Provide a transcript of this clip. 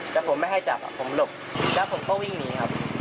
แต่ผมไม่ให้จับผมหลบแล้วผมก็วิ่งหนีครับ